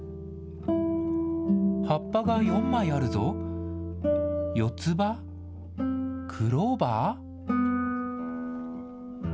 葉っぱが４枚あるぞ、四つ葉、クローバー？